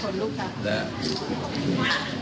คนลุกก็เห็นหรือเปล่า